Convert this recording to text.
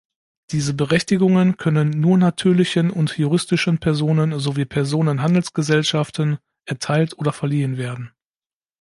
Diese Berechtigungen können nur natürlichen und juristischen Personen sowie Personenhandelsgesellschaften erteilt oder verliehen werden.